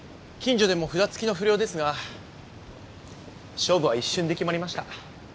近所でも札付きの不良ですが勝負は一瞬で決まりました。